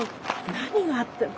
何があった。